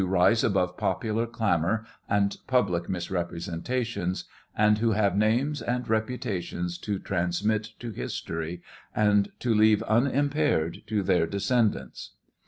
rise above popular clamor and pnblic misrepresentations, and who have names and reputations to transmit to history, and to leave unimpaired to their descend ants.